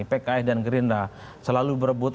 pks dan gerindra selalu berebut